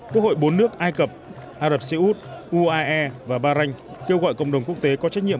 quốc hội bốn nước ai cập ả rập xê út uae và bahrain kêu gọi cộng đồng quốc tế có trách nhiệm